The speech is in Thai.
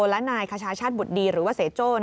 และนายคชาชาติบุตรดีหรือว่าเสโจ้